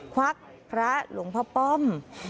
ควักพระหลวงพ่อป้อม